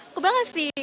aku banget sih